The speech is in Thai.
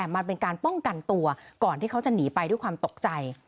มันเป็นการป้องกันตัวก่อนที่เขาจะหนีไปด้วยความตกใจ